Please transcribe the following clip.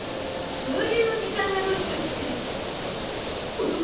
そういうおじさんはもしかして男？